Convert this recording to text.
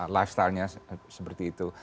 lifestyle nya seperti itu